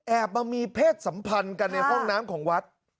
มามีเพศสัมพันธ์กันในห้องน้ำของวัด